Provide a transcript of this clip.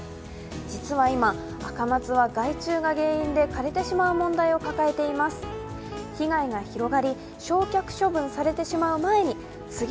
実は今、赤松は害虫が原因で枯れてしまう問題を抱えています。